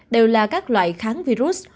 đều là các loại kháng virus